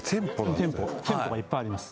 店舗がいっぱいあります